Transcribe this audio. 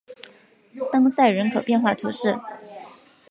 当塞人口变化图示